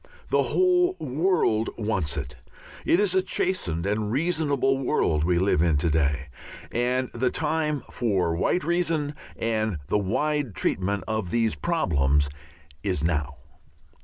The whole world wants it. It is a chastened and reasonable world we live in to day, and the time for white reason and the wide treatment of these problems is now.